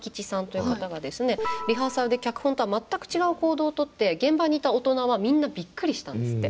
リハーサルで脚本とは全く違う行動をとって現場にいた大人はみんなびっくりしたんですって。